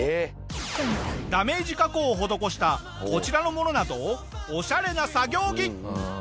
ダメージ加工を施したこちらのものなどオシャレな作業着。